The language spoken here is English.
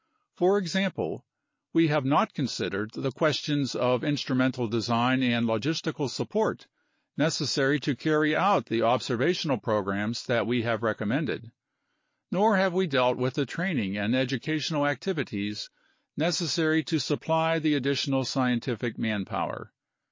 For example, we have not considered the questions of instrumental design and logistical support necessary to carry out the observational programs that we have recommended, nor have we dealt with the training and educational activities necessary to supply the additional scientific manpower.